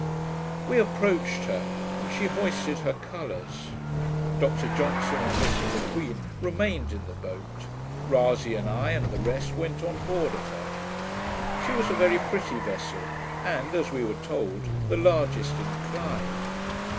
We approached her, and she hoisted her colours. Dr Johnson and Mr M'Queen remained in the boat: Rasay and I, and the rest went on board of her. She was a very pretty vessel, and, as we were told, the largest in Clyde.